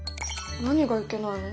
何がいけないの？